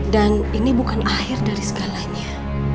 dan ini bukan akhir dari segalanya